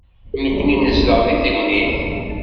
Nekkni nezdeɣ deg Tegnit.